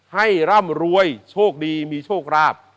ร่ำรวยโชคดีมีโชคราบ